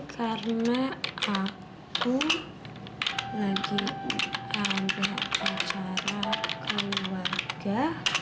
karena aku lagi ada acara keluarga